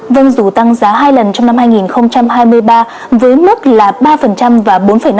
vâng dù tăng giá hai lần trong năm hai nghìn hai mươi ba với mức là ba và bốn năm